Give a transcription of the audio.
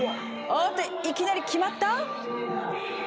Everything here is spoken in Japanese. おっといきなり決まった！？